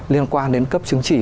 liên quan đến cấp chứng chỉ